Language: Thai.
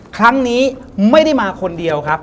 ครั้งนี้ไม่ได้มาคนเดียวครับ